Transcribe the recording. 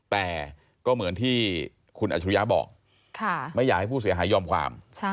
แต่ก็เหมือนที่คุณอัชรุยะบอกไม่อยากให้ผู้เสียหายยอมความ